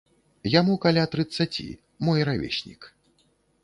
Яму каля трыццаці, мой равеснік.